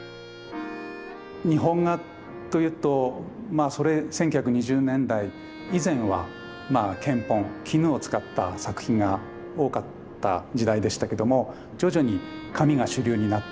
日本画というと１９２０年代以前は絹本絹を使った作品が多かった時代でしたけども徐々に紙が主流になっていく。